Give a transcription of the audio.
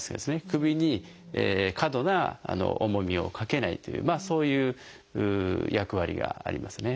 首に過度な重みをかけないというそういう役割がありますね。